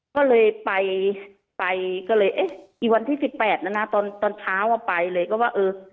ก็เลยไปไปก็เลยเอ๊ะอีกวันที่สิบแปดนะนะตอนตอนเช้าอ่ะไปเลยก็ว่าเออ